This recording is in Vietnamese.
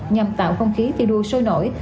nhằm tạo không khí thi đua sôi nổi